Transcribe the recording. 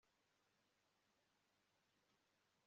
yafatwaga nkumwanditsi ukomeye wicyo gihe